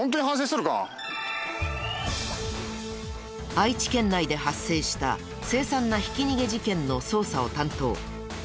愛知県内で発生した凄惨なひき逃げ事件の捜査を担当。